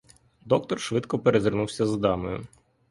Доктор швидко перезирнувся з дамою.